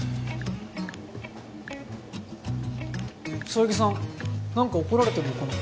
そよぎさんなんか怒られてるのかな？